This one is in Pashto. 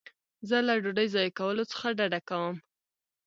زه له ډوډۍ ضایع کولو څخه ډډه کوم.